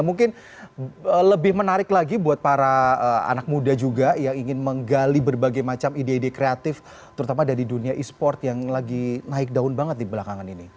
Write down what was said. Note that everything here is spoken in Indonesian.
mungkin lebih menarik lagi buat para anak muda juga yang ingin menggali berbagai macam ide ide kreatif terutama dari dunia e sport yang lagi naik daun banget di belakangan ini